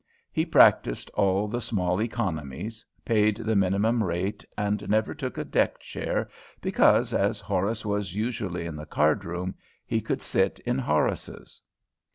He practised all the small economies; paid the minimum rate, and never took a deck chair, because, as Horace was usually in the cardroom, he could sit in Horace's.